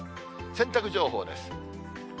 洗濯情報です。